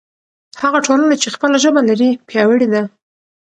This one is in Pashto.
هغه ټولنه چې خپله ژبه لري پیاوړې ده.